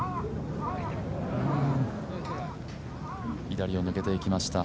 左を抜けていきました。